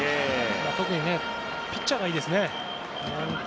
特にピッチャーがいいですね。